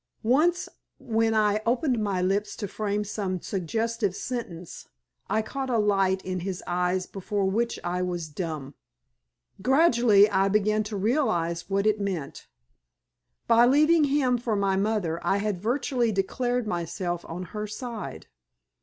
Once, when I opened my lips to frame some suggestive sentence, I caught a light in his eyes before which I was dumb. Gradually I began to realize what it meant. By leaving him for my mother, I had virtually declared myself on her side.